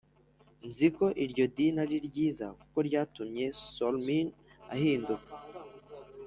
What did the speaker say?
Nzi ko iryo dini ari ryiza kuko ryatumye sormin ahinduka